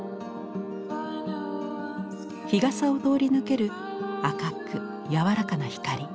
日傘を通り抜ける赤く柔らかな光。